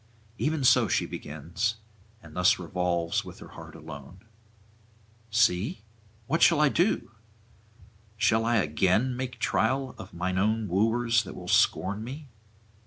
Even so she begins, and thus revolves with her heart alone: 'See, what do I? Shall I again make trial of mine old wooers that will scorn me?